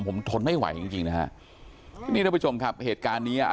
ผมทนไม่ไหวจริงจริงนะฮะทีนี้ท่านผู้ชมครับเหตุการณ์เนี้ย